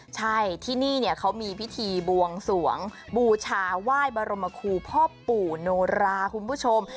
ใช่ที่นี่เขามีพิธีบวงสวงบูชาไหว้บรมคูพ่อปู่โนราคุณผู้ชม